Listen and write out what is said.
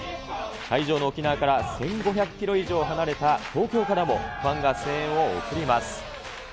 会場の沖縄から１５００キロ以上離れた東京からも、ファンが声援を送ります。